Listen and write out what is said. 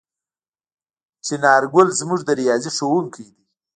څنارګل زموږ د ریاضي ښؤونکی دی.